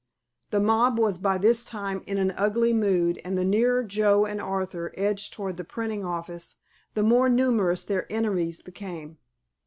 The mob was by this time in an ugly mood and the nearer Joe and Arthur edged toward the printing office the more numerous their enemies became.